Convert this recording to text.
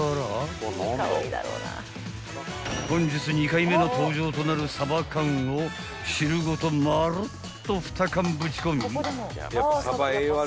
［本日２回目の登場となるサバ缶を汁ごとまるっと２缶ぶち込み］